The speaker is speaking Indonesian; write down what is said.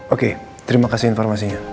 oke terima kasih informasinya